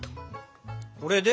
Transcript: これで？